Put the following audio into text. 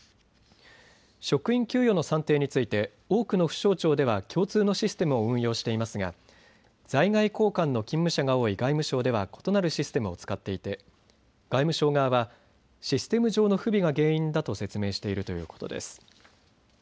職員給与の算定について多くの府省庁では共通のシステムを運用していますが在外公館の勤務者が多い外務省では異なるシステムを使っていて外務省側はシステム上の不備が原因だと説明しているということです。